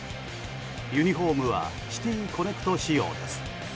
ユニホームはシティ・コネクト仕様です。